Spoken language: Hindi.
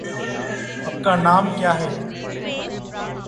कैंची का कमाल, हेयर स्टाइल में निकालता है विराट कोहली का फेस